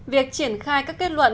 việc triển khai các kết luận